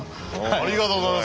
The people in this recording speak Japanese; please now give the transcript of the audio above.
ありがとうございます。